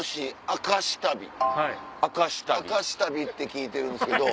明石旅って聞いてるんですけど。